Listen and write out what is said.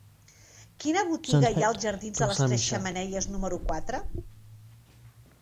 Quina botiga hi ha als jardins de les Tres Xemeneies número quatre?